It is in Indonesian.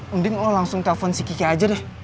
mending lo langsung telepon si kiki aja deh